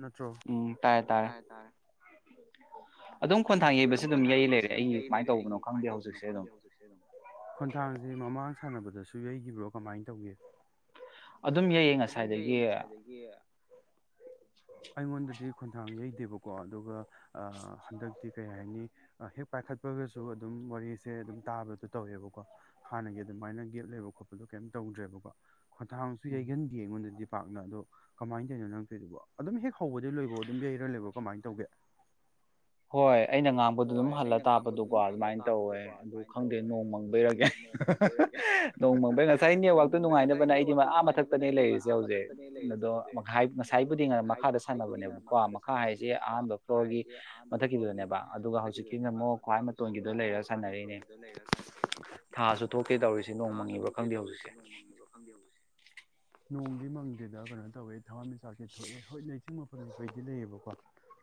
ꯅꯠꯇ꯭ꯔꯣꯦ ꯇꯔꯦ ꯑꯗꯨꯝ ꯈꯣꯟꯊꯥꯡ ꯌꯩꯕꯁꯤ ꯑꯗꯨꯝ ꯌ ꯂꯩꯔꯦ ꯑꯩ ꯀꯃꯥꯏꯅ ꯇꯧꯕꯅꯣ ꯈꯪꯗꯦ ꯍꯧꯖꯤꯛꯁꯦ ꯑꯗꯨꯝ ꯈꯣꯟꯊꯥꯡꯁꯦ ꯃꯃꯥꯡ ꯁꯥꯟꯅꯕꯗꯁꯨ ꯌꯩꯈꯤꯕ꯭ꯔꯣ ꯀꯃꯥꯏꯅ ꯇꯧꯒꯦ ꯑꯗꯨꯝ ꯌꯥꯩꯌꯦ ꯉꯁꯥꯏꯗꯒꯤ ꯑꯩꯉꯣꯟꯗꯗꯤ ꯈꯣꯟꯊꯥꯡ ꯌꯩꯗꯦꯕꯀꯣ ꯑꯗꯨꯒ ꯍꯟꯗꯛꯇꯤ ꯀꯩ ꯍꯥꯏꯅꯤ ꯍꯦꯛ ꯄꯥꯏꯈꯠꯄꯒꯁꯨ ꯑꯗꯨꯝ ꯋꯥꯔꯤꯁꯦ ꯑꯗꯨꯝ ꯇꯥꯕꯗꯣ ꯇꯧꯋꯦꯕꯀꯣ ꯍꯥꯟꯅꯒꯤ ꯑꯗꯨꯃꯥꯏꯅ ꯒꯦꯞ ꯂꯩꯕ ꯈꯣꯠꯄꯗꯣ ꯀꯩꯝ ꯇꯧꯗ꯭ꯔꯦꯕꯀꯣ ꯈꯊꯥꯡꯁꯨ ꯌꯩꯒꯟꯗꯤꯦ ꯑꯩꯉꯣꯟꯗꯗꯤ ꯄꯥꯛꯅ ꯑꯗꯣ ꯀꯃꯥꯏꯅ ꯇꯧꯔꯤꯅꯣ ꯅꯪꯛꯇꯣꯏꯗꯨꯕꯣ ꯑꯗꯨꯝ ꯍꯦꯛ ꯍꯧꯕꯗꯤ ꯂꯣꯏꯕꯣ ꯑꯗꯨꯝ ꯌꯩꯔ ꯂꯩꯕꯣ ꯀꯃꯥꯏꯅ ꯇꯧꯒꯦ ꯍꯣꯏ ꯑꯩꯅ ꯉꯥꯡꯕꯗ ꯑꯗꯨꯝ ꯍꯜꯂ ꯇꯥꯕꯗꯣꯀꯣ ꯑꯗꯨꯃꯥꯏꯅ ꯇꯧꯋꯦ ꯑꯗꯨ ꯈꯪꯗꯦ ꯅꯣꯡ ꯃꯪꯕꯩꯔꯒꯦ ꯅꯣꯡ ꯃꯪꯕꯩꯔ ꯉꯁꯥꯏ ꯅꯦꯠꯋꯥꯛꯇꯨ ꯅꯨꯡꯉꯥꯏꯅꯕꯅ ꯑꯩꯗꯤꯥ ꯃꯊꯛꯇꯅꯦ ꯂꯩꯔꯤꯁꯦ ꯍꯧꯖꯤꯛ ꯑꯗꯣ ꯉꯁꯥꯏꯕꯨꯗꯤ ꯉ ꯃꯈꯥꯗ ꯁꯥꯟꯅꯕꯅꯦꯕꯀꯣ ꯃꯈꯥ ꯍꯥꯏꯁꯦ ꯑꯍꯥꯟꯕ ꯐ꯭ꯂꯣꯔꯒꯤ ꯗꯅꯦꯕ ꯑꯗꯨ ꯑꯗꯨꯒ ꯍꯧꯖꯤꯛꯀꯤꯅ ꯑꯃꯨꯛ ꯈ꯭ꯋꯥꯏ ꯃꯇꯣꯟꯒꯤꯗꯣ ꯂꯩꯔ ꯁꯥꯟꯅꯔꯤꯅꯦ ꯊꯥꯁꯨ ꯊꯣꯛꯀꯦ ꯇꯧꯔꯤꯁꯦ ꯅꯣꯡ ꯃꯪꯉꯤꯕ꯭ꯔꯥ ꯈꯪꯗꯦ ꯍꯧꯖꯤꯛꯁꯦ ꯅꯣꯡꯃꯒꯤ ꯃꯪꯗꯨꯗ ꯀꯩꯅꯣ ꯇꯧꯋꯤ ꯊꯋꯥꯟꯃꯤꯆꯥꯛꯁꯦ ꯊꯣꯛꯑꯦ ꯍꯣꯏ ꯂꯩꯆꯤꯡꯕ ꯑꯩꯄꯩꯗꯤ ꯂꯩꯌꯦꯕꯀꯣ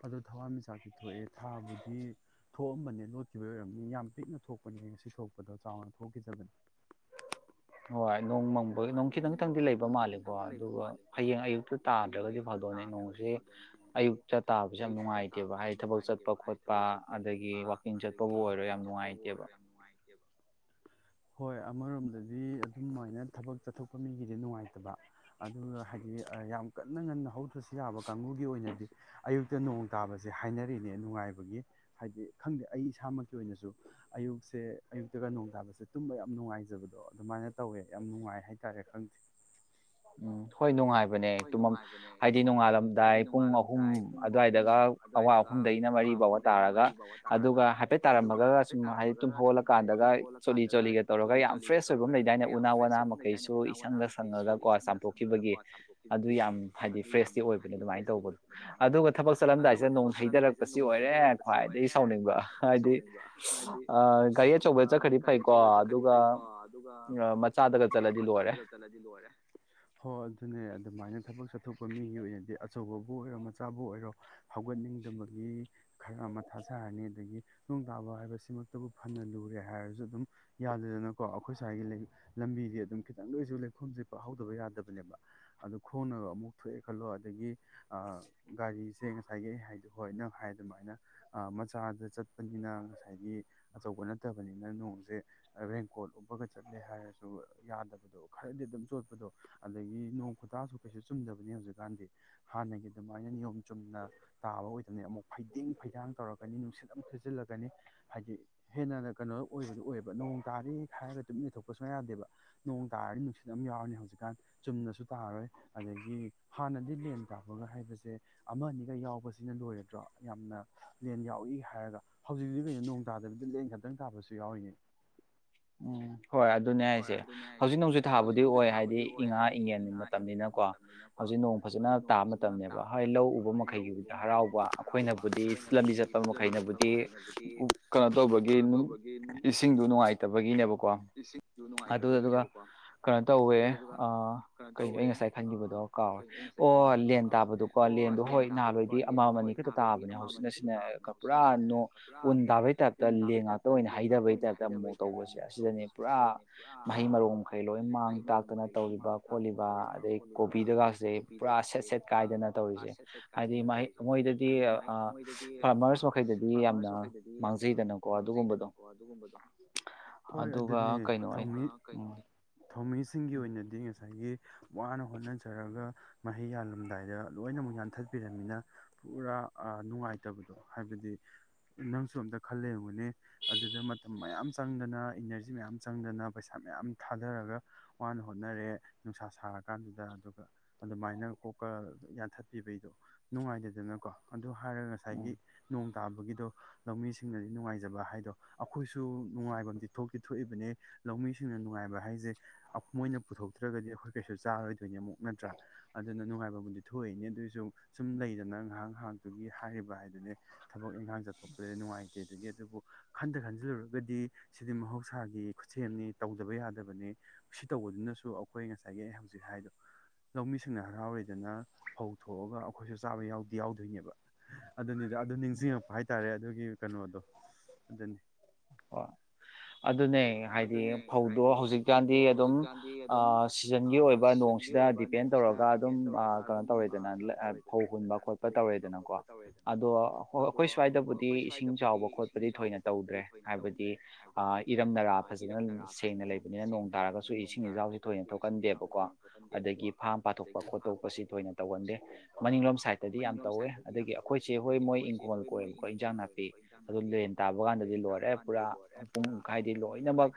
ꯑꯗꯣ ꯊꯋꯥꯟꯃꯤꯆꯥꯛꯇꯤ ꯊꯣꯛꯑꯦ ꯊꯥꯕꯨꯗꯤ ꯊꯣꯛꯑꯝꯕꯅꯦ ꯂꯣꯠꯈꯤꯕ ꯑꯣꯏꯔꯝꯅꯤ ꯌꯥꯝ ꯄꯤꯛꯅ ꯊꯣꯛꯄꯅꯦ ꯉꯁꯤ ꯁꯣꯛꯄꯗꯣ ꯆꯥꯎꯅ ꯊꯣꯛꯈꯤꯗꯕꯅꯤ ꯍꯣꯏ ꯅꯣꯡ ꯃꯪꯕ ꯅꯣꯡ ꯈꯤꯇꯪ ꯈꯤꯇꯪꯗꯤ ꯂꯩꯕ ꯃꯥꯜꯂꯦꯀꯣ ꯑꯗꯨꯒ ꯍꯌꯦꯡ ꯑꯌꯨꯛꯇ ꯇꯥꯗ꯭ꯔꯒꯗꯤ ꯐꯗꯣꯛꯅꯦ ꯅꯣꯡꯁꯤꯦ ꯑꯌꯨꯛꯇ ꯇꯥꯕꯁꯦ ꯌꯥꯝ ꯅꯨꯡꯉꯥꯏꯇꯦꯕ ꯍꯥꯏꯗꯤ ꯊꯕꯛ ꯆꯠꯄ ꯈꯣꯠꯄ ꯑꯗꯒꯤ ꯋꯥꯋꯀꯤꯡ ꯆꯠꯄꯕꯨ ꯑꯣꯏꯔꯣ ꯌꯥꯝ ꯅꯨꯡꯉꯥꯏꯇꯦꯕ ꯍꯣꯏ ꯑꯃꯔꯣꯝꯗꯗꯤ ꯑꯗꯨꯝꯃꯥꯏꯅ ꯊꯕꯛ ꯆꯠꯊꯣꯛꯄ ꯃꯤꯒꯤꯗꯤ ꯅꯨꯡꯉꯥꯏꯇꯕ ꯑꯗꯨꯒ ꯍꯥꯏꯗꯤ ꯌꯥꯝ ꯀꯟꯅ ꯉꯟꯅ ꯍꯧꯗ꯭ꯔꯁꯨ ꯌꯥꯕ ꯀꯥꯡꯕꯨꯒꯤ ꯑꯣꯏꯅꯗꯤ ꯑꯌꯨꯛꯇ ꯅꯣꯡ ꯇꯥꯕꯁꯦ ꯍꯥꯏꯅꯔꯤꯅꯦ ꯅꯨꯡꯉꯥꯏꯕꯒꯤ ꯍꯥꯏꯗꯤ ꯈꯪꯗꯦ ꯑꯩ ꯏꯁꯥꯃꯛꯀꯤ ꯑꯣꯏꯅꯁꯨ ꯑꯌꯨꯛꯁꯦ ꯑꯌꯨꯛꯇꯒ ꯅꯣꯡ ꯇꯥꯕꯁꯦ ꯇꯨꯝꯕ ꯌꯥꯝ ꯅꯨꯡꯉꯥꯏꯖꯕꯗꯣ ꯑꯗꯨꯃꯥꯏꯅ ꯇꯧꯋꯦ ꯌꯥꯝ ꯅꯨꯡꯉꯥꯏ ꯍꯥꯏꯇꯥꯔꯦ ꯈꯪꯗꯦ ꯎꯝ ꯍꯣꯏ ꯅꯨꯡꯉꯥꯏꯕ ꯍꯥꯏꯕꯅꯦ ꯇꯨꯝ ꯍꯥꯏꯗꯤ ꯅꯣꯡꯉꯥꯜꯂꯝꯗꯥꯏ ꯄꯨꯡ ꯑꯍꯨꯝ ꯑꯗꯨꯋꯥꯏꯗꯒ ꯑꯋꯥ ꯑꯍꯨꯝꯅ ꯃꯔꯤ ꯐꯥꯎꯕ ꯇꯥꯔꯒ ꯑꯗꯨꯒ ꯍꯥꯏꯐꯦꯠ ꯇꯥꯔꯝꯃꯒ ꯁꯨꯝ ꯍꯥꯏꯗꯤ ꯇꯨꯝ ꯍꯧꯒꯠꯂꯀꯥꯟꯗꯒ ꯆꯣꯂꯤ ꯆꯣꯂꯤꯒ ꯇꯧꯔꯒ ꯌꯥꯝ ꯐ꯭ꯔꯦꯁ ꯑꯣꯏꯕ ꯑꯃ ꯂꯩꯗꯥꯏꯅꯦ ꯎꯅꯥ ꯋꯥꯅꯥ ꯃꯈꯩꯁꯨ ꯏꯁꯪꯒ ꯁꯪꯉꯒ ꯆꯥꯝꯊꯣꯛꯈꯤꯕꯒꯤ ꯑꯗꯨ ꯌꯥꯝ ꯍꯥꯏꯗꯤ ꯐ꯭ꯔꯦꯁꯇꯤ ꯑꯣꯏꯕꯅꯦ ꯑꯗꯨꯃꯥꯏꯅ ꯇꯧꯕꯗꯣ ꯑꯗꯨꯒ ꯊꯕꯛ ꯆꯠꯂꯝꯗꯥꯏꯁꯤꯗ ꯅꯣꯡ ꯊꯩꯊꯔꯛꯄꯁꯤ ꯑꯣꯏꯔꯦ ꯈ꯭ꯋꯥꯏꯗꯒꯤ ꯁꯥꯎꯅꯤꯡꯕ ꯍꯥꯏꯗꯤ ꯑ ꯒꯥꯔꯤ ꯑꯆꯧꯕꯗ ꯆꯠꯈ꯭ꯔꯗꯤ ꯐꯩꯀꯣ ꯑꯗꯨꯒ ꯃꯆꯥꯗꯒ ꯆꯠꯂꯗꯤ ꯂꯣꯏꯔꯦ ꯍꯣꯏ ꯑꯗꯨꯅꯦ ꯑꯗꯨꯃꯥꯏꯅ ꯊꯕꯛ ꯆꯠꯊꯣꯛꯄ ꯃꯤꯒꯤ ꯑꯣꯏꯅꯗꯤ ꯑꯆꯧꯕꯕꯨ ꯑꯣꯏꯔꯣ ꯃꯆꯥꯕꯨ ꯑꯣꯏꯔꯣ ꯍꯧꯒꯠꯅꯤꯡꯗꯕꯒꯤ ꯈꯔ ꯑꯃ ꯊꯥ ꯁꯥꯔꯅꯤ ꯑꯗꯒꯤ ꯅꯣꯡ ꯇꯥꯕ ꯍꯥꯏꯕꯁꯤꯃꯛꯇꯕꯨ ꯐꯅ ꯂꯨꯔꯦ ꯍꯥꯏꯔꯁꯨ ꯑꯗꯨꯝ ꯌꯥꯗꯗꯅꯀꯣ ꯑꯩꯈꯣꯏ ꯁ꯭ꯋꯥꯏꯒꯤ ꯂꯝꯕꯤꯗꯤ ꯑꯗꯨꯝ ꯈꯤꯇꯪ ꯂꯣꯏꯁꯨ ꯂꯩꯈꯣꯝꯁꯦ ꯄꯥꯛꯍꯧꯗꯕ ꯌꯥꯗꯕꯅꯦꯕ ꯑꯗꯨ ꯈꯣꯡꯅꯕ ꯑꯃꯨꯛ ꯊꯣꯛꯑꯦ ꯈꯜꯂꯣ ꯑꯗꯒꯤ ꯒꯥꯔꯤꯁꯦ ꯉꯁꯥꯏꯒꯤ ꯑꯩ ꯍꯥꯏꯗꯤ ꯍꯣꯏ ꯅꯪ ꯍꯥꯏ ꯑꯗꯨꯃꯥꯏꯅ ꯃꯆꯥꯗ ꯆꯠꯄꯅꯤꯅ ꯉꯁꯥꯏꯒꯤ ꯑꯆꯧꯕ ꯅꯠꯇꯕꯅꯤꯅ ꯅꯣꯡꯁꯦ ꯔꯦꯟꯀꯣꯠ ꯎꯞꯄꯒ ꯆꯠꯂꯦ ꯍꯥꯏꯔꯁꯨ ꯌꯥꯗꯕꯗꯣ ꯈꯔꯗꯤ ꯑꯗꯨꯝ ꯆꯣꯠꯄꯗꯣ ꯑꯗꯒꯤ ꯅꯣꯡ ꯈꯨꯇꯥꯁꯨ ꯀꯩꯁꯨ ꯆꯨꯝꯗꯕꯅꯤ ꯍꯧꯖꯤꯛꯀꯥꯟꯗꯤ ꯍꯥꯟꯅꯒꯤ ꯑꯗꯨꯃꯥꯏꯅ ꯅꯤꯌꯣꯝ ꯆꯨꯝꯅ ꯇꯥꯕ ꯑꯣꯏꯗꯕꯅꯤ ꯑꯃꯨꯛ ꯐꯩꯗꯤꯡ ꯐꯩꯗꯥꯡ ꯇꯧꯔꯛꯀꯅꯤ ꯅꯨꯡꯁꯤꯠ ꯑꯃꯨꯛ ꯁꯤꯖꯤꯜꯂꯀꯅꯤ ꯍꯥꯏꯗꯤ ꯍꯦꯟꯅ ꯀꯩꯅꯣ ꯑꯣꯏꯕꯗꯨ ꯑꯣꯏꯌꯦꯕ ꯅꯣꯡ ꯇꯥꯔꯦ ꯈ ꯍꯥꯏꯔꯒ ꯇꯨꯃꯤꯟꯅ ꯊꯣꯛꯄ ꯁꯨꯡꯌꯥ ꯌꯥꯗꯦꯕ ꯅꯣꯡ ꯇꯥꯔꯗꯤ ꯅꯨꯡꯁꯤꯠ ꯑꯃ ꯌꯥꯎꯔꯅꯤ ꯍꯧꯖꯤꯛꯀꯥꯟ ꯆꯨꯝꯅꯁꯨ ꯇꯥꯔꯣꯏ ꯐ ꯁꯤꯅ ꯂꯣꯏꯔꯗ꯭ꯔꯣ ꯌꯥꯝꯅ ꯂꯦꯟ ꯌꯥꯎꯏ ꯍꯥꯏꯔꯒ ꯍꯧꯖꯤꯛꯇꯤ ꯀꯩꯅ ꯅꯣꯡ ꯇꯗꯕꯗ ꯂꯦꯟꯈ꯭ꯔꯦ ꯈꯤꯇꯪ ꯇꯥꯕꯁꯨ ꯌꯥꯎꯔꯤꯅꯦ ꯎꯝ ꯍꯣꯏ ꯑꯗꯨꯅꯦ ꯍꯥꯏꯁꯦ ꯍꯧꯖꯤꯛ ꯅꯣꯡꯖꯨ ꯊꯥꯕꯨꯗꯤ ꯑꯣꯏ ꯍꯥꯏꯗꯤ ꯏ ꯉꯥ ꯏꯪꯉꯟ ꯃꯇꯝꯅꯤꯅꯀꯣ ꯍꯧꯖꯤꯛ ꯅꯣꯡ ꯐꯖꯅ ꯇꯥꯕ ꯃꯇꯝꯅꯦꯕ ꯍꯣꯏ ꯂꯧ ꯎꯕ ꯃꯈꯩꯒꯤꯕꯨꯗꯤ ꯍꯔꯥꯎꯕ ꯑꯩꯈꯣꯏꯅꯕꯨꯗꯤ ꯂꯝꯕꯤ ꯆꯠꯄ ꯃꯈꯩꯅꯕꯨꯗꯤ ꯀꯩꯅꯣ ꯇꯧꯕꯒꯤ ꯏꯁꯤꯡꯗ ꯅꯨꯡꯉꯥꯏꯇ ꯇꯒꯤꯅ ꯀꯣ ꯑꯗꯨꯗꯨ ꯀꯩꯅꯣ ꯇꯧꯋꯦ ꯀꯣ ꯑꯩ ꯉꯁꯥꯏ ꯈꯟꯈꯤꯕꯗꯣ ꯀꯥꯎꯔꯦ ꯑꯣ ꯂꯦꯟ ꯇꯥꯕꯗꯣꯀꯣ ꯂꯦꯟꯗꯣ ꯍꯣꯏ ꯅꯥꯕꯩꯗꯤ ꯑꯃ ꯑꯅꯤ ꯈꯛꯇ ꯇꯥꯕꯅꯦ ꯍꯧꯖꯤꯛꯅ ꯁꯤꯅ ꯄꯨꯔꯥ ꯅ ꯎꯟ ꯇꯥꯕꯩ ꯇꯥꯏꯞꯇ ꯂꯦꯟ ꯉꯥꯛꯇ ꯑꯣꯏꯅ ꯍꯩꯗꯕꯩ ꯇꯥꯏꯞꯇ ꯇꯧꯕꯁꯦ ꯑꯁ ꯄꯨꯔꯥ ꯃꯍꯩ ꯃꯔꯣꯡ ꯃꯈꯩ ꯂꯣꯏ ꯃꯥꯡ ꯇꯥꯛꯇꯅ ꯇꯧꯔꯤꯕ ꯈꯣꯠꯂꯤꯕ ꯑꯗꯩ ꯀꯣꯕꯤꯗꯒꯁꯦ ꯄꯨꯔꯥ ꯁꯦꯠ ꯁꯦꯠ ꯀꯥꯏꯗꯅ ꯇꯧꯔꯤꯁꯦ ꯍꯥꯏꯗꯤꯩ ꯃꯣꯏꯗꯗꯤ ꯐꯥꯔꯃꯔꯁ ꯃꯈꯩꯗꯗꯤ ꯌꯥꯝꯅ ꯃꯥꯡꯖꯩꯗꯅꯀꯣ ꯑꯗꯨꯒꯨꯝꯕꯗꯣ ꯑꯗꯨꯒ ꯀꯩꯅꯣ ꯑꯩ ꯎꯝ ꯊꯧꯃꯤꯁꯤꯡꯒꯤ ꯑꯣꯏꯅꯗꯤ ꯉꯁꯥꯏꯒꯤ ꯋꯥꯅ ꯍꯣꯠꯅꯖꯔꯒ ꯃꯍꯩ ꯌꯥꯜꯂꯝꯗꯥꯏꯗ ꯂꯣꯏꯅ ꯑꯃꯨꯛ ꯌꯥꯟꯊꯠꯄꯤꯔꯝꯃꯤꯅ ꯄꯨꯔꯥ ꯅꯨꯡꯉꯥꯏꯇꯕꯗꯣ ꯍꯥꯏꯕꯗꯤ ꯅꯪꯁꯨ ꯑꯝꯇ ꯈꯜ ꯂꯩꯔꯝꯨꯒꯅꯤ ꯑꯗꯨꯗ ꯃꯇꯝ ꯃꯌꯥꯝ ꯆꯪꯗꯅ ꯏꯅꯔꯖꯤ ꯃꯌꯥꯝ ꯆꯪꯗꯅ ꯄꯩꯁꯥ ꯃꯌꯥꯝ ꯊꯥꯗꯔꯒ ꯋꯥꯅ ꯍꯣꯠꯅꯔꯦ ꯅꯨꯡꯁꯥ ꯁꯥꯔ ꯀꯥꯟꯗꯨꯗ ꯑꯗꯨꯒ ꯑꯗꯨꯃꯥꯏꯅ ꯀꯣꯛꯀ ꯌꯥꯟꯊꯠꯄꯤꯕꯩꯗꯣ ꯅꯨꯡꯉꯥꯏꯇꯗꯅꯀꯣ ꯑꯗꯨ ꯍꯥꯏꯔꯒ ꯉꯁꯥꯏꯒꯤ ꯅꯣꯡ ꯇꯥꯕꯒꯤꯗꯣ ꯂꯧꯃꯤꯁꯤꯡꯅꯗꯤ ꯅꯨꯡꯉꯥꯏꯖꯕ ꯍꯥꯏꯗꯣ ꯑꯩꯈꯣꯏꯁꯨ ꯅꯨꯡꯉꯥꯏꯕ ꯊꯣꯛꯇꯤ ꯊꯣꯛꯏꯕꯅꯦ ꯂꯧꯃꯤꯁꯤꯡꯅ ꯅꯨꯡꯉꯥꯏꯕ ꯍꯥꯏꯁꯦ ꯃꯣꯏꯅ ꯄꯨꯊꯣꯛꯇ꯭ꯔꯒꯗꯤ ꯑꯩꯈꯣꯏ ꯀꯩꯁꯨ ꯆꯥꯔꯣꯏꯗꯣꯏꯅꯦ ꯑꯃꯨꯛ ꯅꯠꯇ꯭ꯔꯥ ꯑꯗꯨꯅ ꯅꯨꯡꯉꯥꯏꯕꯕꯨꯗꯤ ꯊꯣꯛꯏꯅꯦ ꯑꯗꯨꯑꯣꯏꯁꯨ ꯁꯨꯝ ꯂꯩꯗꯅ ꯉꯥꯏꯍꯥꯛ ꯉꯥꯏꯍꯥꯛꯇꯨꯒꯤ ꯍꯥꯏꯔꯤꯕ ꯍꯥꯏꯗꯨꯅꯦ ꯊꯕꯛ ꯏꯪꯈꯥꯡ ꯆꯠꯊꯣꯛꯄꯗ ꯅꯨꯡꯉꯥꯏꯇꯦ ꯑꯗꯨꯒꯤ ꯑꯗꯨꯕꯨ ꯈꯟꯊ ꯈꯟꯖꯤꯜꯂꯨꯔꯒꯗꯤ ꯁꯤꯗꯤ ꯃꯍꯧꯁꯥꯒꯤ ꯈꯨꯠꯁꯦꯝꯅꯤ ꯇꯧꯗꯕ ꯌꯥꯗꯕꯅꯤ ꯁꯤ ꯇꯧꯕꯗꯨꯅꯁꯨ ꯑꯩꯈꯣꯏ ꯉꯁꯥꯏꯒꯤ ꯑꯩ ꯍꯧꯖꯤꯛ ꯍꯥꯏꯗꯣ ꯂꯧꯃꯤꯁꯤꯡꯅ ꯍꯔꯥꯎꯔꯤꯗꯅ ꯐꯧ ꯊꯣꯛꯑꯒ ꯑꯩꯈꯣꯏꯁꯨ ꯆꯥꯕ ꯌꯥꯗꯤ ꯌꯥꯎꯗꯣꯏꯅꯦꯕ ꯑꯗꯨꯅꯤ ꯑꯗꯨ ꯅꯤꯡꯁꯤꯡꯉꯛꯄ ꯍꯥꯏꯇꯥꯔꯦ ꯑꯗꯨꯒꯤ ꯀꯩꯅꯣꯗꯣ ꯑꯗꯨꯅꯤ ꯑꯗꯨ ꯑꯗꯨꯅꯦ ꯍꯥꯏꯗꯤ ꯐꯧꯗꯣ ꯍꯧꯖꯤꯛꯀꯥꯟꯗꯤ ꯑꯗꯨꯝ ꯁꯤꯖꯟꯒꯤ ꯑꯣꯏꯕ ꯅꯣꯡꯁꯤꯗ ꯗꯤꯄꯦꯟ ꯇꯧꯔꯒ ꯑꯗꯨꯝ ꯀꯩꯅꯣ ꯇꯧꯔꯦꯗꯅ ꯐꯧ ꯍꯨꯟꯕ ꯈꯣꯠꯄ ꯇꯧꯔꯦꯗꯅꯀꯣ ꯑꯗꯣ ꯑꯩꯈꯣꯏ ꯁ꯭ꯋꯥꯏꯗꯕꯨꯗꯤ ꯏꯁꯤꯡ ꯆꯥꯎꯕ ꯈꯣꯠꯄꯗꯤ ꯊꯣꯏꯅ ꯇꯧꯗ꯭ꯔꯦ ꯍꯥꯏꯕꯗꯤ ꯏꯝꯗꯝ ꯏꯔꯝ ꯅꯔꯥ ꯐꯖꯅ ꯁꯦꯡꯅ ꯂꯩꯕꯅꯤꯅ ꯅꯣꯡ ꯇꯥꯔꯒꯁꯨ ꯑꯩꯈꯣꯏ ꯏꯁꯤꯡ ꯏꯆꯥꯎꯁꯨ ꯊꯣꯏꯅ ꯊꯣꯛꯍꯟꯗꯦꯕꯀꯣ ꯑꯗꯒꯤ ꯐꯥꯝ ꯄꯥꯊꯣꯛꯄ ꯈꯣꯠꯇꯣꯛꯄꯁꯤ ꯊꯣꯏꯅ ꯇꯧꯍꯟꯗꯦ ꯃꯅꯤꯡꯂꯣꯝ ꯁꯥꯏꯠꯇꯗꯤ ꯌꯥꯝ ꯇꯧꯋꯦ ꯑꯗꯒꯤ ꯑꯩꯈꯣꯏꯁꯦ ꯍꯣꯏ ꯃꯣꯏ ꯏꯪꯈꯣꯜ ꯀꯣꯏꯔ ꯑꯩꯣꯏ ꯏꯟꯖꯥꯡ ꯅꯥꯄꯤ ꯑꯗꯨꯣꯝꯗꯟ ꯇꯥꯛꯕ ꯀꯥꯟꯗꯗꯤ ꯂꯣꯏꯔꯦ ꯄꯨꯡꯈꯥꯏꯗ ꯂꯣꯏꯅꯃꯛ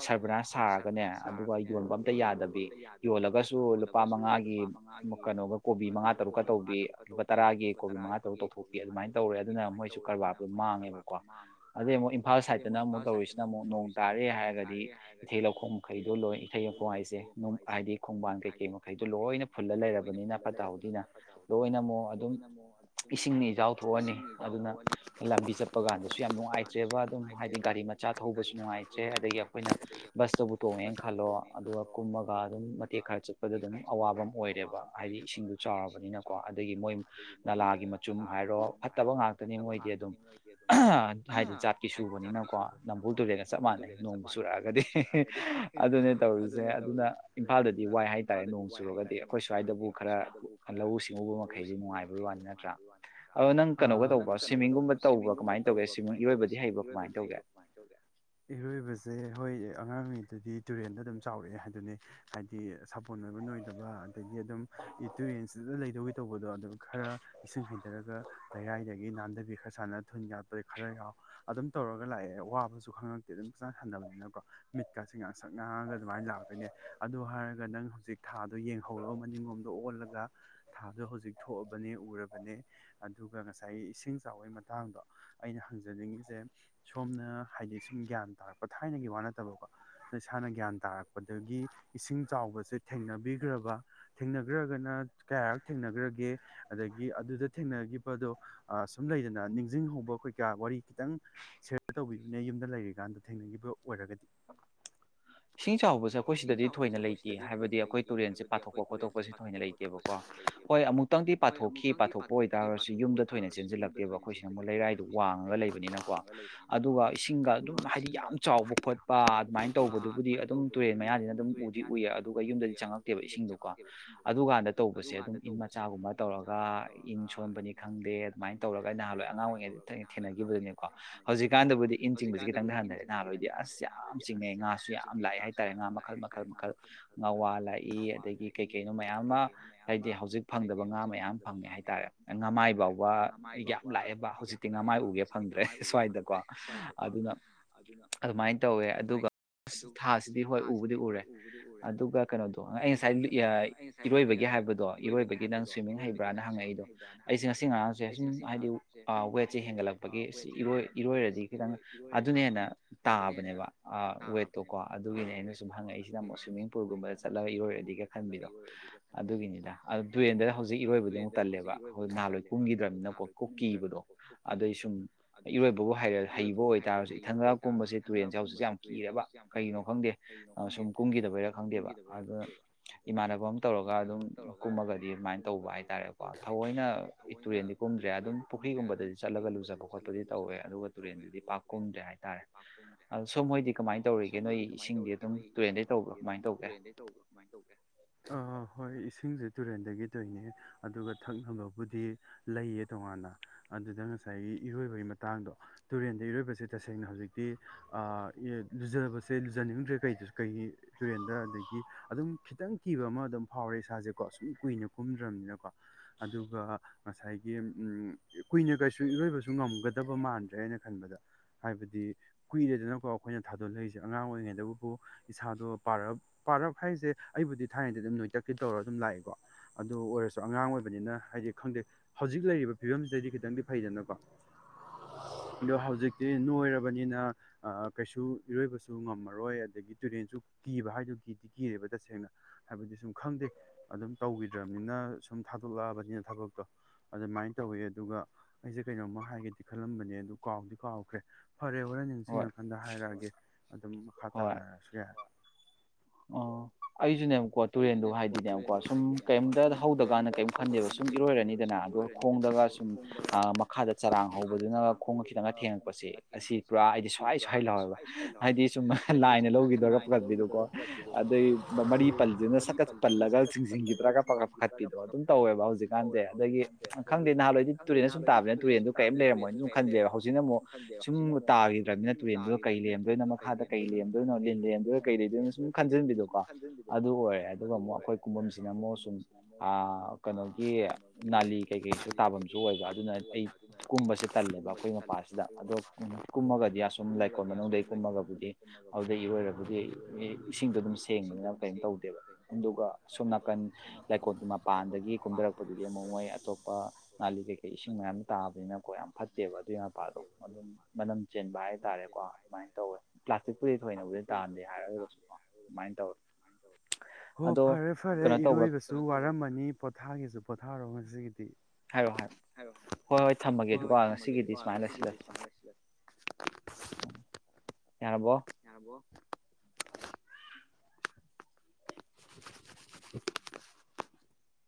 ꯁꯔꯕꯅꯥ ꯁꯥꯔꯒꯅꯦ ꯑꯗꯨꯒ ꯌꯣꯟꯕ ꯑꯝꯇ ꯌꯥꯗꯕꯤ ꯌꯣꯜꯂꯒꯁꯨ ꯂꯨꯄꯥ ꯃꯉꯥꯒꯤ ꯀꯩꯅꯣꯒ ꯀꯣꯕꯤ ꯃꯉꯥ ꯇꯔꯨꯛꯀ ꯇꯧꯕꯤ ꯂꯨꯄꯥ ꯇꯔꯥꯒꯤ ꯀꯣꯕꯤ ꯃꯉꯥ ꯇꯔꯨꯛ ꯇꯧꯊꯣꯛꯄꯤ ꯑꯗꯨꯃꯥꯏꯅ ꯇꯧꯔꯦ ꯑꯗꯨꯅ ꯃꯣꯏꯁꯨ ꯀꯔꯕꯥꯔꯗꯣ ꯃꯥꯡꯉꯦꯕꯀꯣ ꯑꯗꯩ ꯑꯃꯨꯛ ꯏꯝꯐꯥꯜ ꯁꯥꯏꯠ ꯑꯗꯨꯅꯝ ꯑꯃꯨ ꯇꯧꯔꯤꯁꯤꯅꯨꯛ ꯅꯣꯡ ꯇꯥꯔꯦ ꯍꯥꯏꯔꯒꯗꯤ ꯏꯊꯩ ꯂꯧꯈꯣꯡ ꯃꯈꯩꯗꯣ ꯂꯣꯏ ꯏꯊꯩ ꯂꯧꯈꯣꯡ ꯍꯥꯏꯁꯦ ꯍꯥꯏꯗꯤ ꯈꯣꯡꯕꯥꯟ ꯀꯩꯀꯩ ꯃꯈꯩꯗꯣ ꯂꯣꯏꯅ ꯐꯨꯜꯂ ꯂꯩꯔꯕꯅꯤꯅ ꯐꯠꯇ ꯍꯥꯎꯊꯤꯅ ꯂꯣꯏꯅ ꯑꯃꯨꯛ ꯑꯗꯨꯝ ꯏꯁꯤꯡꯅ ꯏꯖꯥꯎ ꯊꯣꯛꯑꯅꯤ ꯑꯗꯨꯅ ꯂꯝꯕꯤ ꯆꯠꯄ ꯀꯥꯟꯗꯁꯨ ꯌꯥꯝ ꯅꯨꯡꯉꯥꯏꯇ꯭ꯔꯦꯕ ꯑꯗꯨꯝ ꯍꯥꯏꯗꯤ ꯒꯥꯔꯤ ꯃꯆꯥ ꯊꯧꯕꯁꯨ ꯅꯨꯡꯉꯥꯏꯇ꯭ꯔꯦ ꯑꯗꯒꯤ ꯑꯩꯈꯣꯏꯅ ꯕꯁꯇꯕꯨ ꯇꯣꯡꯉꯦꯅ ꯈꯜꯂꯣ ꯑꯗꯨꯒ ꯀꯨꯝꯃꯒ ꯑꯗꯨꯝ ꯃꯇꯦꯛ ꯈꯔ ꯆꯠꯄꯗ ꯑꯗꯨꯝ ꯑꯋꯥꯕ ꯑꯃ ꯑꯣꯏꯔꯦꯕ ꯍꯥꯏꯗꯤ ꯏꯁꯤꯡꯗꯨ ꯆꯥꯎꯔꯕꯅꯤꯅꯀꯣ ꯑꯗꯒꯤ ꯃꯣꯏ ꯅꯂꯥꯒꯤ ꯃꯆꯨꯝ ꯍꯥꯏꯔꯣ ꯐꯠꯇꯕ ꯉꯥꯛꯇꯅꯤ ꯃꯣꯏꯗꯤ ꯑꯗꯨꯝ ꯍꯥꯏꯗꯤ ꯖꯥꯠꯀꯤ ꯁꯨꯕꯅꯤꯅ ꯅꯝꯕꯕꯨꯣꯜꯔꯦꯦ ꯆꯞ ꯃꯥꯟꯅꯩ ꯅꯣꯡꯃ ꯆꯨꯔꯛꯑꯒꯗꯤ ꯑꯗꯨꯅꯦ ꯇꯧꯔꯤꯁꯦ ꯑꯗꯨꯅ ꯏꯝꯐꯥꯜꯗꯗꯤ ꯋꯥꯏ ꯍꯥꯏꯇꯥꯔꯦ ꯅꯣꯡ ꯆꯨꯔꯒꯗꯤ ꯑꯩꯈꯣꯏ ꯁ꯭ꯋꯥꯏꯗꯕꯨ ꯈꯔ ꯂꯧꯎ ꯁꯤꯡꯎꯕ ꯃꯈꯩꯗꯤ ꯅꯨꯡꯉꯥꯏꯕꯒꯤ ꯋꯥꯅꯤ ꯅꯠꯇ꯭ꯔꯥ ꯑꯗꯣ ꯅꯪ ꯀꯩꯅꯣꯒ ꯇꯧꯕ꯭ꯔꯥ ꯁ꯭ꯋꯤꯝꯃꯤꯡꯒꯨꯝꯕ ꯇꯧꯕ꯭ꯔꯥ ꯀꯃꯥꯏꯅ ꯇꯧꯒꯦ ꯁ꯭ꯋꯤꯝꯃꯤꯡ ꯏꯔꯣꯏꯕꯗꯤ ꯍꯩꯕ꯭ꯔꯥ ꯀꯃꯥꯏꯅ ꯇꯧꯒꯦ ꯋꯥꯆꯧꯒ ꯏꯔꯣꯏꯕꯁꯦ ꯍꯣꯏ ꯑꯉꯥꯡꯉꯩꯗꯗꯤ ꯇꯨꯔꯦꯟꯗ ꯑꯗꯨꯝ ꯆꯥꯎꯔꯛꯑꯦ ꯍꯥꯏꯗꯨꯅꯤ ꯍꯥꯏꯗꯤ ꯁꯥꯄꯣꯟ ꯂꯣꯏꯕ ꯅꯣꯏꯗꯕ ꯑꯗꯒꯤ ꯑꯗꯨꯝ ꯇꯨꯔꯦꯟꯁꯤꯗ ꯂꯩꯗꯧꯒꯦ ꯇꯧꯕꯗꯣ ꯑꯗꯨꯝ ꯈꯔ ꯏꯁꯤꯡ ꯍꯩꯊꯔꯒ ꯂꯩꯔꯥꯏꯗꯒꯤ ꯅꯥꯟꯗꯕꯤ ꯈꯔ ꯆꯥꯟꯅ ꯊꯨꯟ ꯌꯥꯠꯄ ꯈꯔ ꯌꯥꯎ ꯑꯗꯨꯝ ꯇꯧꯔꯒ ꯂꯥꯛꯑꯦ ꯋꯥꯕꯁꯨ ꯈꯪꯉꯛꯦ ꯑꯗꯨꯝ ꯆꯥꯡ ꯍꯟꯊꯕꯅꯤꯅꯀꯣ ꯃꯤꯠꯀꯥꯁꯦ ꯉꯥꯡ ꯁꯛ ꯉꯥꯡꯉꯒ ꯑꯗꯨꯃꯥꯏꯅ ꯂꯥꯛꯑꯗꯣꯏꯅꯦ ꯑꯗꯨ ꯍꯥꯏꯔꯒ ꯅꯪ ꯍꯧꯖꯤꯛ ꯊꯥꯗꯣ ꯌꯦꯡꯍꯧꯔꯣ ꯃꯅꯤꯡꯂꯣꯝꯗ ꯑꯣꯜꯂꯒ ꯊꯥꯗꯣ ꯍꯧꯖꯤꯛ ꯊꯣꯛꯑꯕꯅꯦ ꯎꯔꯕꯅꯦ ꯑꯗꯨꯒ ꯉꯁꯥꯏꯒꯤ ꯏꯁꯤꯡ ꯆꯥꯎꯕꯒꯤ ꯃꯇꯥꯡꯗꯣ ꯑꯩꯅ ꯍꯪꯖꯅꯤꯡꯉꯤꯁꯦ ꯁꯣꯝꯅ ꯍꯥꯏꯗꯤ ꯁꯨꯝ ꯒ꯭ꯌꯥꯟ ꯇꯥꯔꯛꯄ ꯊꯥꯏꯅꯒꯤ ꯋꯥ ꯅꯠꯇꯕꯀꯣ ꯏꯁꯥꯅ ꯒ꯭ꯌꯥꯟ ꯇꯥꯔꯛꯄꯗꯒꯤ ꯏꯁꯤꯡ ꯆꯥꯎꯕꯁꯦ ꯊꯦꯡꯅꯕꯤꯈ꯭ꯔꯕ ꯊꯦꯡꯅꯈ꯭ꯔꯒꯅ ꯀꯌꯥꯔꯛ ꯊꯦꯡꯅꯈ꯭ꯔꯒꯦ ꯑꯗꯒꯤ ꯑꯗꯨꯗ ꯊꯦꯡꯅꯈꯤꯕꯗꯣ ꯁꯨꯝ ꯂꯩꯗꯅ ꯅꯤꯡꯁꯤꯡꯍꯧꯕ ꯀꯈꯣꯏ ꯀꯌꯥ ꯋꯥꯔꯤ ꯈꯤꯇꯪ ꯁꯌꯔ ꯇꯧꯕꯤꯕꯅꯦ ꯗ ꯂꯩꯔꯤꯀꯥꯟꯗ ꯊꯦꯡꯅꯈꯤꯕ ꯑꯣꯏꯔꯒꯗꯤ ꯏꯁꯤꯡ ꯆꯥꯎꯕꯁꯦ ꯑꯩꯈꯣꯏ ꯁꯤꯗꯗꯤ ꯊꯣꯏꯅ ꯂꯩꯇꯦ ꯍꯥꯏꯕꯗꯤ ꯑꯩꯈꯣꯏ ꯇꯨꯔꯦꯟꯁꯦ ꯄꯥꯊꯣꯛꯄ ꯈꯣꯠꯇꯣꯛꯄꯁꯦ ꯊꯣꯏꯅ ꯂꯩꯇꯦꯕꯀꯣ ꯍꯣꯏ ꯑꯃꯨꯛꯇꯪꯗꯤ ꯄꯥꯊꯣꯛꯈꯤ ꯄꯥꯊꯣꯛꯄ ꯑꯣꯏ ꯇꯔꯒꯁꯨ ꯌꯨꯝꯗ ꯊꯣꯏꯅ ꯆꯦꯟꯁꯤꯜꯂꯛꯇꯦꯕ ꯑꯩꯈꯣꯏꯁꯤꯅ ꯑꯃꯨꯛ ꯂꯩꯔꯥꯏꯗꯨ ꯋꯥꯡꯉꯒ ꯂꯩꯕꯅꯤꯅꯀꯣ ꯑꯗꯨꯒ ꯏꯁꯤꯡꯒ ꯑꯗꯨꯝ ꯍꯥꯏꯗꯤ ꯌꯥꯝ ꯆꯥꯎꯕ ꯈꯣꯠꯄ ꯑꯗꯨꯃꯥꯏꯅ ꯇꯧꯕꯗꯨ ꯕꯨꯗꯤ ꯑꯗꯨꯝ ꯇꯨꯔꯦꯟ ꯃꯌꯥꯁꯤꯅ ꯑꯗꯨꯝ ꯎꯗꯤ ꯎꯏꯌꯦ ꯑꯗꯨꯒ ꯌꯨꯝꯗꯗꯤ ꯆꯪꯉꯛꯇꯦꯕ ꯏꯁꯤꯡꯗꯣꯀꯣ ꯑꯗꯨꯀꯥꯟꯗ ꯇꯧꯕꯁꯦ ꯑꯗꯨꯝ ꯏꯟ ꯃꯆꯥꯒꯨꯝꯕ ꯇꯧꯔꯒ ꯏꯟ ꯁꯣꯟꯕꯅꯤ ꯈꯪꯗꯦ ꯑꯗꯨꯃꯥꯏꯅ ꯇꯧꯔꯒ ꯅꯍꯥꯟꯋꯥꯏ ꯑꯉꯥꯡ ꯑꯣꯏꯔꯤꯉꯩꯗ ꯊ ꯊꯦꯡꯅꯈꯤꯕꯗꯨꯅꯤꯀꯣ ꯍꯧꯖꯤꯛꯀꯥꯟꯗꯕꯨꯗꯤ ꯆꯤꯡꯕꯁꯤꯦ ꯈꯤꯇꯪꯗ ꯍꯟꯊꯔꯦ ꯉꯍꯥ ꯂꯣꯏꯗꯤ ꯑꯁ ꯌꯥꯝ ꯆꯤꯡꯅꯩ ꯉꯥꯁꯨ ꯌꯥꯝ ꯌꯥꯝ ꯂꯥꯛꯑꯦ ꯍꯥꯏꯇꯥꯔꯦ ꯉꯥ ꯃꯈꯜ ꯃꯈꯜ ꯃꯈꯜ ꯉꯥꯋꯥ ꯂꯥꯛꯏ ꯑꯗꯒꯤ ꯀꯩ ꯀꯩꯅꯣ ꯃꯌꯥꯝ ꯑꯃ ꯍꯥꯏꯗꯤ ꯍꯧꯖꯤꯛ ꯐꯪꯗꯕ ꯉꯥ ꯃꯌꯥꯝ ꯐꯪꯉꯦ ꯍꯥꯏꯇꯥꯔꯦ ꯉꯥꯃꯥꯏ ꯐꯥꯎꯕ ꯌꯥꯝ ꯂꯥꯛꯑꯦꯕ ꯍꯧꯖꯤꯛꯇꯤ ꯉꯥꯃꯥꯏ ꯎꯒꯦ ꯐꯪꯗ꯭ꯔꯦ ꯁ꯭ꯋꯥꯏꯗꯀꯣ ꯑꯗꯨꯅ ꯑꯗꯨꯃꯥꯏꯅ ꯇꯧꯋꯦ ꯑꯗꯨꯒ ꯑꯁ ꯊꯥꯁꯤꯗꯤ ꯍꯣꯏ ꯎꯕꯨꯗꯤ ꯎꯔꯦ ꯑꯗꯨꯒ ꯀꯩꯅꯣꯗꯣ ꯑꯩ ꯉꯁꯥꯏ ꯏꯔꯣꯏꯕꯒꯤ ꯍꯥꯏꯕꯗꯣ ꯏꯔꯣꯏꯕꯒꯤ ꯅꯪ ꯁ꯭ꯋꯤꯃꯤꯡ ꯍꯩꯕ꯭ꯔꯥꯅ ꯍꯪꯉꯛꯏꯗꯣ ꯑꯩꯁꯦ ꯉꯁꯤ ꯉꯔꯥꯡꯁꯦ ꯁꯨꯝ ꯍꯥꯏꯗꯤ ꯋꯦꯠꯁꯦ ꯍꯦꯟꯒꯠꯂꯛꯄꯒꯤ ꯁꯤꯣꯏ ꯏꯔꯣꯏꯔꯗꯤ ꯈꯤꯇꯪ ꯑꯗꯨꯅ ꯍꯦꯟꯅ ꯇꯥꯕꯅꯦꯕ ꯋꯦ ꯀꯣ ꯑꯗꯨꯒꯤꯅꯤ ꯑꯩꯅ ꯁꯨꯝ ꯍꯪꯉꯛꯏꯁꯤꯅ ꯑꯃꯨꯛ ꯁ꯭ꯋꯤꯝꯃꯤꯡ ꯄꯨꯜꯒꯨꯝꯕꯗ ꯆꯠꯂꯒ ꯏꯔꯣꯏꯔꯗꯤꯒ ꯈꯟꯕꯤꯗꯣ ꯑꯗꯨꯒꯤꯅꯤꯗ ꯇꯨꯔꯦꯟꯗ ꯍꯧꯖꯤꯛ ꯏꯔꯣꯏꯕꯗꯤ ꯑꯃꯨꯛ ꯇꯜꯂꯦꯕ ꯅꯍꯥꯟꯋꯥꯏ ꯀꯨꯝꯈꯤꯗ꯭ꯔꯕꯅꯤꯅꯀꯣ ꯀꯣꯛꯀꯤꯕꯗꯣ ꯑꯗꯨꯏ ꯁꯨꯝ ꯏꯔꯣꯏꯕꯕꯨ ꯍꯩꯔ ꯍꯩꯕ ꯑꯣꯏ ꯍꯥꯏꯇꯥꯔꯁꯨ ꯏ ꯊꯪꯗꯜꯛꯀꯨꯝꯕꯁꯦ ꯇꯨꯔꯦꯟꯁꯦ ꯍꯧꯖꯤꯛ ꯌꯥꯝ ꯀꯤꯦꯔꯕ ꯀꯩꯒꯤꯅꯣ ꯈꯪꯗꯦ ꯁꯨꯝ ꯀꯨꯝꯈꯤꯗꯕꯩꯔꯥ ꯈꯪꯗꯦꯕ ꯑꯗꯨꯗ ꯏꯃꯥꯟꯅꯕ ꯑꯃ ꯇꯧꯔꯒ ꯑꯗꯨꯝ ꯀꯨꯝꯃꯒꯗꯤ ꯑꯗꯨꯃꯥꯏꯅ ꯇꯧꯕ ꯍꯥꯏꯇꯥꯔꯦꯀꯣ ꯊꯑꯣꯏꯅ ꯇꯨꯔꯦꯜꯗꯤ ꯀꯨꯝꯗ꯭ꯔꯦ ꯑꯗꯨꯝ ꯄꯨꯈ꯭ꯔꯤꯒꯨꯝꯕꯗꯗꯤ ꯆꯠꯂꯒ ꯂꯨꯖꯕ ꯈꯣꯠꯄꯗꯤ ꯇꯧꯋꯦ ꯑꯗꯨꯒ ꯇꯨꯔꯦꯟꯗꯨꯗꯤ ꯄꯥꯛ ꯀꯨꯝꯗ꯭ꯔꯦ ꯍꯥꯏꯇꯥꯔꯦ ꯑ ꯁꯣ ꯍꯣꯏꯗꯤ ꯀꯃꯥꯏꯅ ꯇꯧꯔꯤꯦ ꯇꯧꯔꯤꯒꯦ ꯅ ꯏꯁꯤꯡꯦꯟ ꯇꯦ ꯑ ꯍꯣꯏ ꯏꯁꯤꯡꯁꯤ ꯇꯨꯔꯦꯜꯗꯒꯤ ꯇꯣꯏꯅꯤ ꯑꯗꯨꯒ ꯊꯛꯅꯕꯕꯨꯗꯤ ꯂꯩꯌꯦ ꯇꯣꯉꯥꯟꯅ ꯑꯗꯨꯗ ꯉꯁꯥꯏꯒꯤ ꯏꯔꯣꯏꯕꯒꯤ ꯃꯇꯥꯡꯗꯣ ꯇꯨꯔꯦꯜꯗ ꯏꯔꯣꯏꯕꯁ ꯁꯦ ꯇꯁꯦꯡꯅ ꯍꯧꯖꯤꯛꯇꯤ ꯂꯨꯖꯕꯁꯦ ꯂꯨꯖꯅꯤꯡꯗ꯭ꯔꯦ ꯀꯩꯁꯨ ꯀꯩ ꯇꯨꯔꯦꯟꯗ ꯑꯗꯒꯤ ꯑꯗꯨꯝ ꯈꯤꯇꯪ ꯀꯤꯕ ꯑꯃ ꯑꯗꯨꯝ ꯐꯥꯎꯔꯦ ꯏꯁꯥꯁꯦꯀꯣ ꯁꯨꯝ ꯀꯨꯏꯅ ꯀꯨꯝꯗ꯭ꯔꯕꯅꯤꯅꯀꯣ ꯑꯗꯨꯒ ꯉꯁꯥꯏꯒꯤ ꯀꯨꯏꯅ ꯀꯩꯁꯨ ꯏꯔꯣꯏꯕꯁꯨ ꯉꯝꯒꯗꯕ ꯃꯥꯟꯗ꯭ꯔꯦ ꯍꯥꯏꯅ ꯈꯟꯕꯗ ꯍꯥꯏꯕꯗꯤ ꯀꯨꯏꯔꯦꯗꯅꯀꯣ ꯑꯩꯈꯣꯏꯅ ꯊꯥꯗꯣꯂꯛꯏꯁꯦ ꯑꯉꯥꯡ ꯑꯣꯏꯔꯤꯉꯩꯗꯕꯨ ꯏꯁꯥꯗꯣ ꯄꯥꯔꯞ ꯄꯥꯔꯞ ꯍꯥꯏꯁꯦ ꯑꯩꯕꯨꯗꯤ ꯊꯥꯏꯅꯩꯗꯤ ꯑꯗꯨꯝ ꯅꯣꯏꯇꯛꯀꯤ ꯇꯧꯔꯒ ꯑꯗꯨꯝ ꯂꯥꯛꯑꯦꯀꯣ ꯑꯗꯨ ꯑꯣꯏꯔꯁꯨ ꯑꯉꯥꯡ ꯑꯣꯏꯕꯅꯤꯅ ꯍꯥꯏꯗꯤ ꯈꯪꯗꯦ ꯍꯧꯖꯤꯛ ꯂꯩꯔꯤꯕ ꯐꯤꯕꯝꯁꯤꯗꯩꯗꯤ ꯈꯤꯇꯪꯗꯤ ꯐꯩꯗꯅꯀꯣ ꯑꯗꯣ ꯍꯧꯖꯤꯛ ꯅꯣꯏꯔꯕꯅꯤꯅ ꯀꯩꯁꯨ ꯏꯔꯣꯏꯕꯁꯨ ꯉꯝꯃꯔꯣꯏ ꯑꯗꯒꯤ ꯇꯨꯔꯦꯟꯁꯨ ꯀꯤꯕ ꯍꯥꯏꯗꯨꯒꯤꯗꯤ ꯀꯤꯔꯦꯕ ꯇꯁꯦꯡꯅ ꯍꯥꯏꯕꯗꯤ ꯁꯨꯝ ꯈꯪꯗꯦ ꯑꯗꯨꯝ ꯇꯧꯈꯤꯗ꯭ꯔꯕꯅꯤꯅ ꯁꯨꯝ ꯊꯥꯗꯣꯛꯂꯛꯑꯕꯅꯤꯅ ꯊꯕꯛꯇꯣ ꯑꯗꯨꯃꯥꯏꯅ ꯇꯧꯋꯦ ꯑꯗꯨꯒ ꯑꯩꯁꯦ ꯀꯩꯅꯣꯝꯃ ꯍꯥꯏꯒꯦꯗꯤ ꯈꯜꯂꯝꯕꯅꯦ ꯀꯥꯎꯗꯤ ꯀꯥꯎ ꯑꯣꯦ ꯐꯔꯦ ꯍꯣꯔꯦꯟ ꯅꯤꯡꯁꯤꯡꯉꯀꯥꯟꯗ ꯍꯥꯏꯔꯛꯑꯒꯦ ꯑꯗꯨꯝ ꯃꯈꯥ ꯇꯥꯅꯔꯁꯨ ꯌꯥꯔ ꯑꯣ ꯑꯩꯁꯨꯅꯦꯕꯨꯀꯣ ꯇꯨꯔꯦꯟꯗꯣ ꯍꯥꯏꯗꯤꯅꯦꯕꯨꯛꯀꯣ ꯁꯨꯝ ꯀꯔꯤꯝꯇ ꯍꯧꯗꯀꯥꯟꯗ ꯀꯔꯤꯝ ꯈꯟꯗꯦꯕ ꯁꯨꯝ ꯏꯔꯣꯏꯔꯅꯤꯗꯅ ꯑꯗꯨꯒ ꯈꯣꯡꯗꯒ ꯁꯨꯝ ꯃꯈꯥꯗ ꯆꯔꯥꯡ ꯍꯧꯕꯗꯨꯅꯒ ꯈꯣꯡꯒ ꯈꯤꯇꯪꯒ ꯊꯦꯡꯉꯛꯄꯁ ꯁꯤꯦ ꯑꯁꯤ ꯄꯨꯔꯥ ꯍꯥꯏꯗꯤ ꯁ꯭ꯋꯥꯏ ꯁ꯭ꯋꯥꯏ ꯂꯥꯎꯋꯦꯕ ꯍꯥꯏꯗꯤ ꯁꯨꯝ ꯂꯥꯏꯅ ꯂꯧꯈꯤꯗꯒ ꯄꯒꯠꯄꯤꯗꯨꯀꯣ ꯑꯗꯩ ꯃꯔꯤ ꯄꯜꯂꯤꯗꯨꯅ ꯁꯠꯀꯠ ꯄꯜꯂꯒ ꯆꯤꯡꯁꯤꯟꯈꯤꯕꯗ꯭ꯔꯥꯒ ꯄꯥꯈꯠ ꯄꯥꯈꯠꯄꯤꯗꯣ ꯑꯗꯨꯝ ꯇꯧꯋꯦꯕ ꯍꯧꯖꯤꯛꯀꯥꯟꯁꯦ ꯑꯗꯒꯤ ꯈꯪꯗꯦ ꯅꯍꯥꯟꯋꯥꯏꯗꯤ ꯇꯨꯔꯦꯟꯅ ꯁꯨꯝ ꯇꯥꯕꯅꯤꯅ ꯇꯨꯔꯦꯟꯗꯨ ꯀꯔꯤꯝ ꯂꯩꯔꯝꯃꯣꯏꯅ ꯁ ꯈꯟꯕꯤꯦꯕ ꯍꯧꯖꯤꯛꯅ ꯑꯃ ꯁ ꯈꯟꯗꯦꯕ ꯍꯧꯖꯤꯛꯅ ꯑꯃꯨꯛ ꯁꯨꯝꯨꯛ ꯇꯥꯈꯤꯗꯕꯅꯤꯅ ꯇ꯭ꯔꯦꯟꯗꯨꯣ ꯀꯩ ꯂꯦꯟꯗꯣꯏꯅꯣ ꯃꯈꯥꯗ ꯀꯩ ꯂꯦꯟꯗꯣꯏꯅꯣꯣꯏꯣ ꯈꯟꯖꯤꯟꯕꯤꯗꯣꯀꯣ ꯑꯗꯨ ꯑꯣꯏꯔꯦ ꯑꯗꯨꯒ ꯑꯃꯨꯛ ꯑꯩꯈꯣꯏ ꯀꯨꯝꯐꯝꯝꯁꯤꯅ ꯑꯃꯨꯛ ꯁꯨꯝ ꯀꯩꯅꯣꯒꯤ ꯅꯥꯂꯤ ꯀꯩꯀꯩꯁꯨ ꯇꯥꯐꯝꯁꯨ ꯑꯣꯏꯕ ꯑꯗꯨꯅ ꯑꯩ ꯀꯨꯝꯕꯁꯦ ꯇꯜꯂꯦꯕ ꯑꯩꯈꯣꯏ ꯃꯄꯥꯁꯦ ꯑꯗꯣ ꯀꯨꯝꯃꯒꯗꯤ ꯑꯁꯨꯝ ꯂꯩꯀꯣꯜ ꯃꯅꯨꯡꯗ ꯀꯨꯝꯃꯒꯕꯨꯗꯤ ꯑꯗꯨꯗꯩ ꯏꯔꯣꯏꯔꯕꯨꯗꯤ ꯏꯁꯤꯡꯗꯣ ꯑꯗꯨꯝ ꯁꯦꯡꯕꯅꯤꯅ ꯀꯩꯝ ꯇꯧꯗꯦꯕ ꯑꯗꯨꯒ ꯑꯁꯣꯝ ꯅꯥꯀꯟ ꯂꯩꯀꯣꯠꯇ ꯃꯄꯥꯟꯗꯒꯤ ꯀꯨꯝꯊꯔꯛꯄꯗꯨꯗꯤ ꯑꯃꯨꯛ ꯃꯣꯏ ꯑꯇꯣꯞꯄ ꯉꯅꯥꯂꯤ ꯀꯩꯀꯩ ꯏꯁꯤꯡ ꯃꯌꯥꯝ ꯇꯥꯕꯅꯤꯅꯀꯣ ꯌꯥꯝ ꯐꯠꯇꯦꯕ ꯑꯗꯨ ꯄꯥꯗꯣ ꯑꯗꯨꯝ ꯃꯅꯝ ꯆꯦꯟꯕ ꯍꯥꯏꯇꯥꯥꯔꯦꯀꯣ ꯑꯗꯨꯃꯥꯏꯅ ꯇꯧꯋꯦ ꯄ꯭ꯂꯥꯁꯇꯤꯛꯄꯨꯗꯤ ꯊꯣꯏꯅꯕꯨꯗꯤ ꯇꯥꯟꯗꯦ ꯍꯥꯏꯔꯒꯁꯨ ꯍꯣ ꯐꯔꯦ ꯐꯔꯦ ꯏꯔꯣꯏꯕꯁꯨ ꯋꯥꯔꯝꯃꯅꯤ ꯄꯣꯊ ꯑꯩꯒꯤꯁꯨ ꯄꯣꯊꯥꯔꯣ ꯉꯁꯤꯒꯤꯗꯤ ꯍꯥꯏꯌꯣ ꯍꯥꯏ ꯍꯣꯏ ꯍꯣꯏ ꯊꯝꯃꯒꯦ ꯑꯗꯨꯒ ꯉꯁꯤꯒꯤꯗꯤ ꯁ ꯌꯥ ꯌꯥꯔꯕꯣ [unintelligible] [unintelligible]